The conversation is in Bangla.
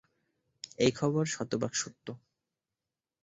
এই খবর শতভাগ সত্য।